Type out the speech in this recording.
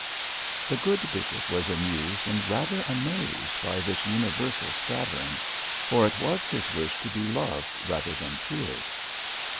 The good bishop was amused and rather amazed by this universal scattering, for it was his wish to be loved rather than feared.